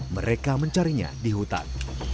mereka mencarinya di hutan